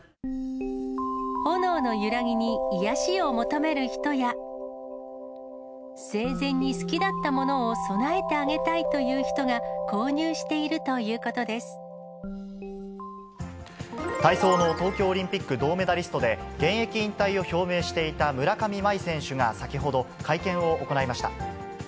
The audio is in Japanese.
炎の揺らぎに癒やしを求める人や、生前に好きだったものを供えてあげたいという人が購入していると体操の東京オリンピック銅メダリストで、現役引退を表明していた村上茉愛選手が、先ほど会見を行いました。